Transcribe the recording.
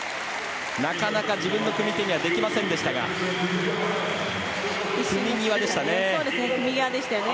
なかなか自分の組み手にはできませんでしたが組み際でしたね。